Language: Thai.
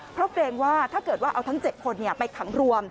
เพราะเกรงว่าถ้าเกิดว่าเอาทั้ง๗คนไปขังรวม